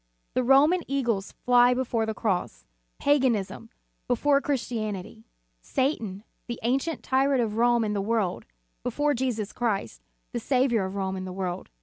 The Roman eagles fly before the cross, paganism, before Chris tianity; Satan, the ancient tyrant of Rome and the world, before Jesus Christ, the Saviour of Rome and the world.